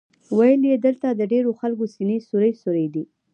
ویل یې دلته د ډېرو خلکو سینې سوري سوري دي.